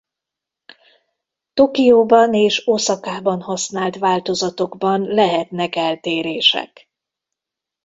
Tokióban és Oszakában használt változatokban lehetnek eltérések.